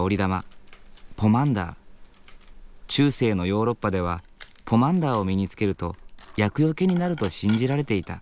中世のヨーロッパではポマンダーを身につけると厄よけになると信じられていた。